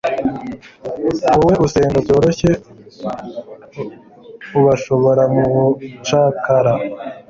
Wowe usenga byoroshye ubashora mubucakara